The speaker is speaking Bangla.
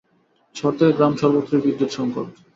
শহর থেকে গ্রাম সর্বত্রই বিদ্যুৎ সংকট।